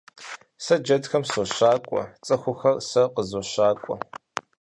Сэ джэдхэм сощакӀуэ, цӀыхухэр сэ къызощакӀуэ.